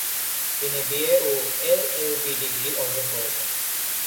তিনি বিএ ও এলএলবি ডিগ্রী অর্জন করেছেন।